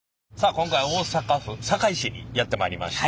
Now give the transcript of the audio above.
今回大阪府堺市にやって参りました。